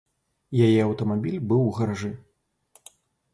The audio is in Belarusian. Яе аўтамабіль быў у гаражы.